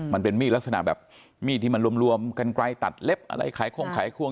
มันเป็นมีดลักษณะแบบมีดที่มันรวมกันไกลตัดเล็บอะไรขายคงขายควง